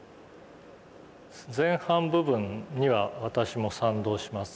前半部分には私も賛同します。